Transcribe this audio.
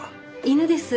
犬です。